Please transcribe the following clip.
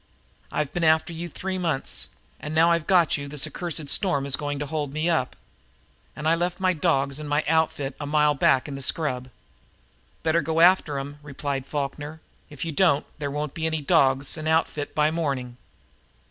"I've been after you three months, and now that I've got you this accursed storm is going to hold me up! And I left my dogs and outfit a mile back in the scrub." "Better go after 'em," replied Falkner. "If you don't there won't be any dogs an' outfit by morning."